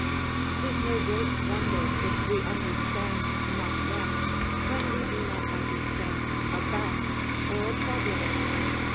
'Tis no great wonder if we understand not them, when we do not understand a Basque or a Troglodyte.